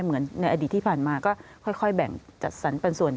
เหมือนในอดีตที่ผ่านมาก็ค่อยแบ่งจัดสรรปันส่วน